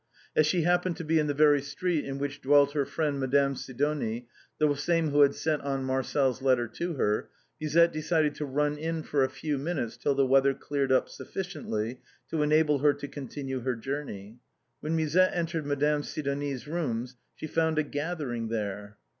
As she happened to be in the very street in which dwelt her friend Madame Sidon ie, the same who had sent on Marcel's letter to her, Musette decided to run in for a few minutes till the weather cleared up sufficiently to enable her to continue her journey. When Musette entered Madame Sidonie's rooms she found a gathering there.